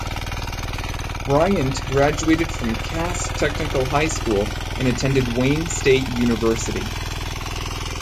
Bryant graduated from Cass Technical High School and attended Wayne State University.